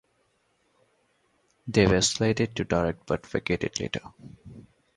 They were slated to direct, but vacated later.